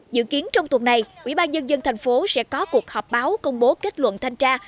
dự kiến trong tuần này ủy ban nhân dân thành phố sẽ có cuộc họp báo công bố kết luận thanh tra